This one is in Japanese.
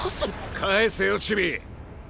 返せよチビ！